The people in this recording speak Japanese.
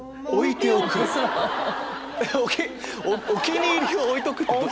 お気に入りを置いとくって。